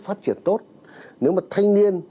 phát triển tốt nếu mà thanh niên